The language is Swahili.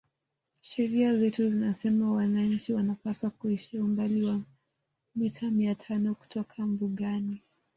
Sheria zetu zinasema wananchi wanapaswa kuishi umbali wa mita mia tano kutoka mbugani